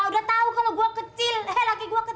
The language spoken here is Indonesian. udah tau kan gua kecil